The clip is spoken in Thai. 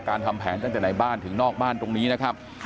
ทำแผนตั้งแต่ไหนบ้านถึงนอกบ้านตรงนี้นะครับ